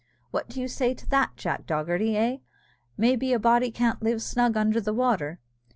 "What do you say to that, Jack Dogherty? Eh! may be a body can't live snug under the water?"